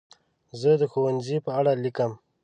زه د ښوونځي په اړه لیکم.